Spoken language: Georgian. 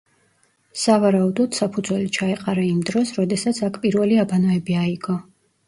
სავარაუდოდ საფუძველი ჩაეყარა იმ დროს, როდესაც აქ პირველი აბანოები აიგო.